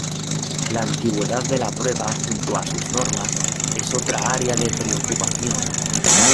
La antigüedad de la prueba junto a sus normas es otra área de preocupación.